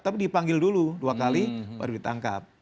tapi dipanggil dulu dua kali baru ditangkap